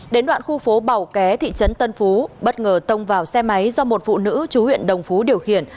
đến đoạn khu phố bảo ké thị trấn tân phú bất ngờ tông vào xe máy do một phụ nữ chú huyện đồng phú điều khiển